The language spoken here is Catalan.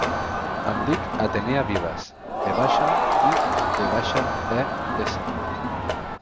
Em dic Atenea Vives: ve baixa, i, ve baixa, e, essa.